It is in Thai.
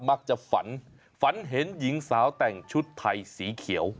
มักจะฝันฝันเห็นหญิงสาวแต่งชุดไทยสีเขียว